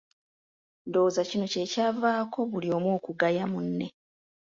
Ndowooza kino kyekyavaako buli omu okugaya munne.